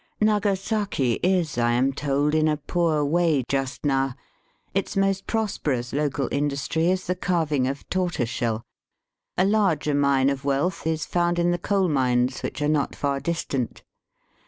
Nagasaki is, I am told, in a poor way just now. Its most prosperous local industry is the carving of tortoiseshell. A larger mine of wealth is found in the coal mines, which are not far distant.